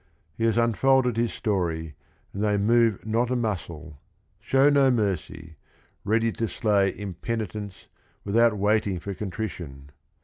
He has unfolded his story, and they move not a muscle, show no mercy, ready to "slay impenitence" without waiting for contrition.